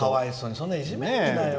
そんないじめんなよ。